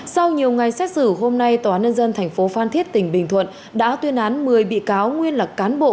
sau nhiều ngày xét xử hôm nay tòa nhân dân tp phan thiết tỉnh bình thuận đã tuyên án một mươi bị cáo nguyên là cán bộ